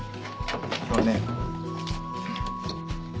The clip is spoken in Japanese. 今日はね。